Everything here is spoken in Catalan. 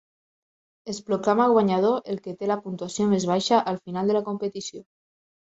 Es proclama guanyador el que té la puntuació més baixa al final de la competició.